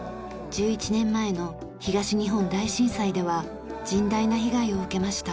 １１年前の東日本大震災では甚大な被害を受けました。